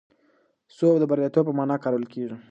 سوب د بریالیتوب په مانا کارول کېږي.